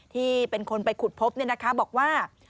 ที่เป็นคนไปขุดพบบอกว่า